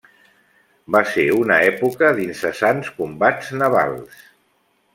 Va ser una època d'incessants combats navals.